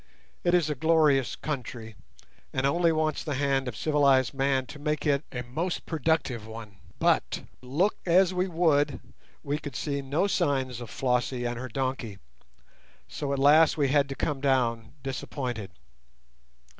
It is a glorious country, and only wants the hand of civilized man to make it a most productive one. But look as we would, we could see no signs of Flossie and her donkey, so at last we had to come down disappointed.